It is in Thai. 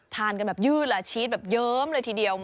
ทานกันแบบยืดละชีสแบบเยิ้มเลยทีเดียว